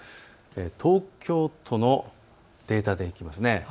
東京都のデータでいきます。